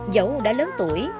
dẫu đã lớn tuổi